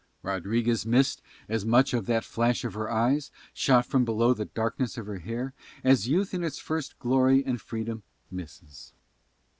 Rodriguez missed as much of that flash of her eyes, shot from below the darkness of her hair, as youth in its first glory and freedom misses.